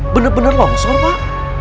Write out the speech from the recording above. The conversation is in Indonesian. benar benar longsor pak